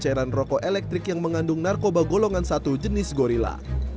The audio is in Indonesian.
cairan rokok elektrik yang mengandung narkoba golongan satu jenis gorilla